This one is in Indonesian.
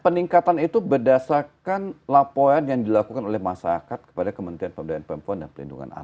peningkatan itu berdasarkan laporan yang dilakukan oleh masyarakat kepada kementerian pemberdayaan perempuan dan perlindungan anak